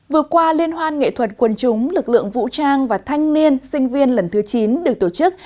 vừa qua liên hoan nghệ thuật quân chúng lực lượng vũ trang và thanh niên sinh viên lần thứ chín được tổ chức